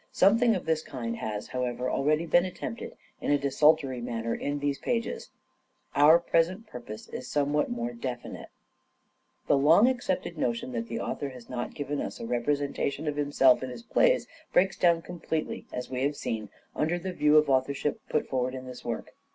Something of this kind has, however, already been attempted in a desultory manner in these pages. Our present purpose is somewhat more definite. The The long accepted notion that the author has not given us a representation of himself in his plays breaks dramas. down completely, as we have seen, under the view of authorship put forward in this work.